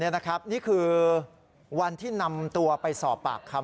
นี่คือวันที่นำตัวไปสอบปากคำ